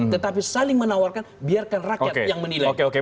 tetapi saling menawarkan biarkan rakyat yang menilai